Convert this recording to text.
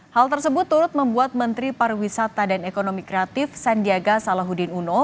hal tersebut turut membuat menteri pariwisata dan ekonomi kreatif sandiaga salahuddin uno